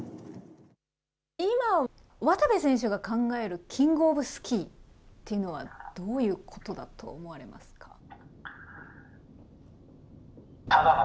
今、渡部選手が考えるキングオブスキーってどういうことだと思われますか？